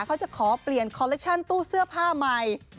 เขาจะขอเปลี่ยนคอลเลคชั่นตู้เสื้อผ้าใหม่